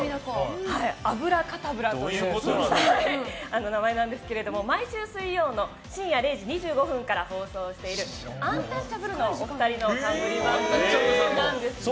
「脂過多ブラ」という名前なんですけど毎週水曜の深夜０時２５分から放送しているアンタッチャブルのお二人の番組なんです。